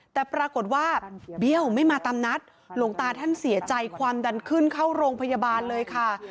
แต่ปรากฏว่าเบี้ยวไม่มาตามนัดหลวงตาท่านเสียใจความดันขึ้นเข้าโรงพยาบาลเลยค่ะ